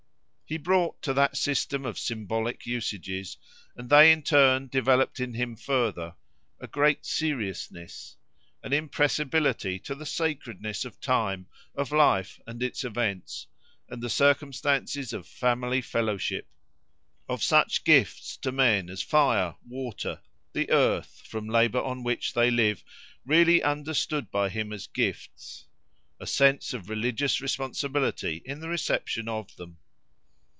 He brought to that system of symbolic usages, and they in turn developed in him further, a great seriousness—an impressibility to the sacredness of time, of life and its events, and the circumstances of family fellowship; of such gifts to men as fire, water, the earth, from labour on which they live, really understood by him as gifts—a sense of religious responsibility in the reception of them.